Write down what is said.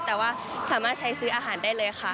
แต่ว่าสามารถใช้ซื้ออาหารได้เลยค่ะ